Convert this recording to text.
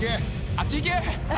あっちいけ。